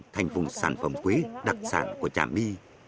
thành vùng sản phẩm quế đặc sản của trả my